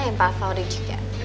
yang pak voucher juga